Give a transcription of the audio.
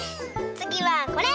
つぎはこれ！